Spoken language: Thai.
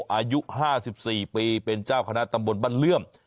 อายุ๕๔ปีเป็นเจ้าคณะตำบลบ้านเลื่อม